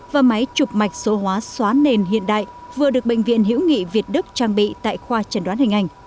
và máy chụp mạch số hóa xóa nền hiện đại vừa được bệnh viện hiễu nghị việt đức trang bị tại khoa chẩn đoán hình ảnh